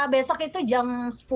besok itu jam sepuluh